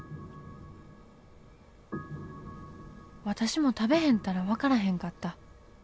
私も食べへんたら分からへんかった。